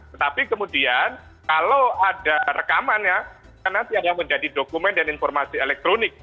tetapi kemudian kalau ada rekamannya nanti ada yang menjadi dokumen dan informasi elektronik